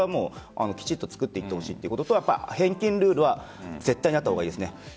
きちんと作ってほしいというとことと返金ルールは絶対にあったほうがいいですね。